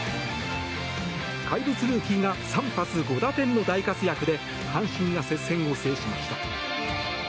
怪物ルーキーが３発５打点の大活躍で阪神が接戦を制しました。